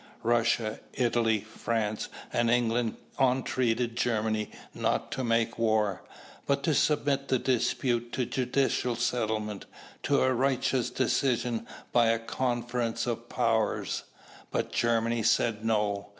Russia, Italy, France and England entreated Germany not to make war, but to submit the dispute to judicial settlement, to a righteous decision by a conference of powers. But Germany said no.